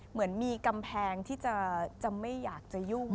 เหมือนมีกำแพงที่จะไม่อยากจะยุ่ง